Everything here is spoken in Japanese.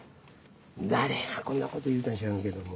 誰がこんなこと言うたか知らんけども。